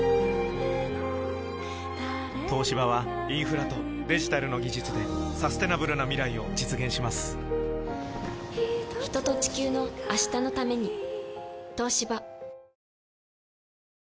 東芝はインフラとデジタルの技術でサステナブルな未来を実現します人と、地球の、明日のために。